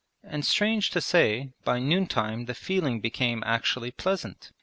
And strange to say, by noontime the feeling became actually pleasant.